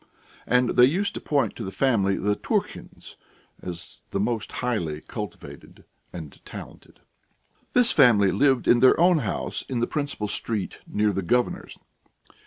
And they used to point to the family of the Turkins as the most highly cultivated and talented. This family lived in their own house in the principal street, near the Governor's.